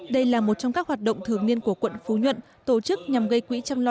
đây là một trong các hoạt động thường niên của quận phú nhuận tổ chức nhằm gây quỹ chăm lo